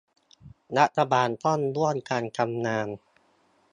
รัฐบาลต้องร่วมกันทำงาน